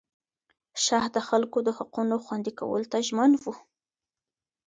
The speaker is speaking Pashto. شاه د خلکو د حقونو خوندي کولو ته ژمن و.